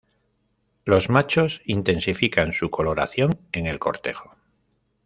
Los machos intensifican su coloración en el cortejo.